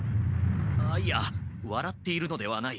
あいやわらっているのではない。